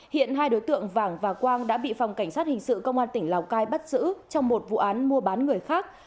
hiện hai đối tượng vàng và quang đã bị phòng cảnh sát hình sự công an tỉnh lào cai bắt giữ trong một vụ án mua bán người khác